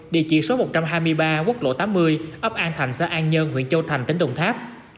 địa chỉ số một trăm hai mươi ba quốc lộ tám mươi ấp an thành xã an nhơn huyện châu thành tỉnh đồng tháp